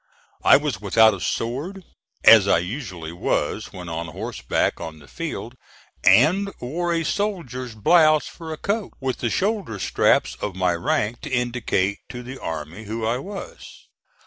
I was without a sword, as I usually was when on horseback on the field, and wore a soldier's blouse for a coat, with the shoulder straps of my rank to indicate to the army who I was.